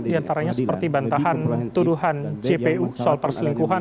diantaranya seperti bantahan tuduhan cpu soal perselingkuhan